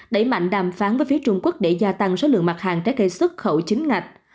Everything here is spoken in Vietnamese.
đẩy mạnh đàm phán với phía trung quốc để gia tăng số lượng mặt hàng trái cây xuất khẩu chính ngạch